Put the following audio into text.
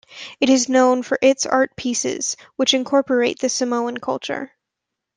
It is known for its art pieces, which incorporate the Samoan culture.